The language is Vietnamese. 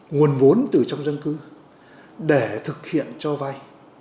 nguồn vốn từ trong dân cư để thực hiện cho vay